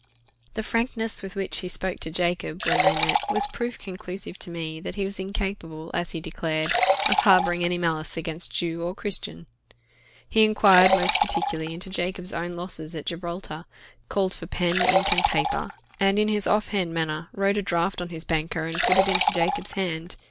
The frankness with which he spoke to Jacob, when they met, was proof conclusive to me that he was incapable, as he declared, of harbouring any malice against Jew or Christian. He inquired most particularly into Jacob's own losses at Gibraltar, called for pen, ink, and paper, and in his off hand manner wrote a draft on his banker, and put it into Jacob's hand.